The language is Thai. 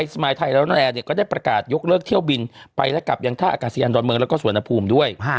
สมายไทยแล้วแอร์ก็ได้ประกาศยกเลิกเที่ยวบินไปและกลับยังท่าอากาศยานดอนเมืองแล้วก็สวนภูมิด้วย